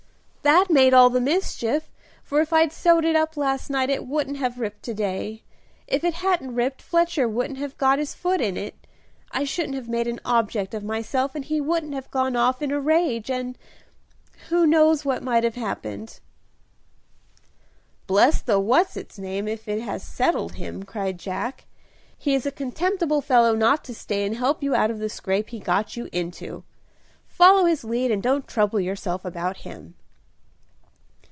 That made all the mischief, for if I'd sewed it last night it wouldn't have ripped to day; if it hadn't ripped Fletcher wouldn't have got his foot in it, I shouldn't have made an object of myself, he wouldn't have gone off in a rage, and who knows what might have happened?" "Bless the what's its name if it has settled him," cried Jack. "He is a contemptible fellow not to stay and help you out of the scrape he got you into. Follow his lead and don't trouble yourself about him."